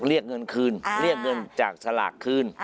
เรียกเงินคืนเรียกเงินจากสลากคืน